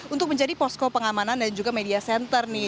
untuk menjadi posko pengamanan dan juga media center nih